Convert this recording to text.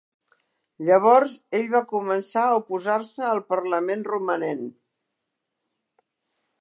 Llavors ell va començar a oposar-se al Parlament romanent.